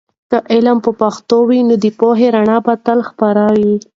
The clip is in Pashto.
که علم په پښتو وي، نو د پوهې رڼا به تل خپره وي.